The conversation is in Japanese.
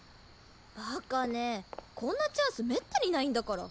バカねこんなチャンスめったにないんだから。